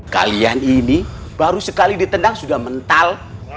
kalian ini baru sekali ditendang sudah mental